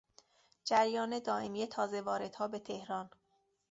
جریان دایمی تازهواردها به تهران